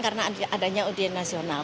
karena adanya ujian nasional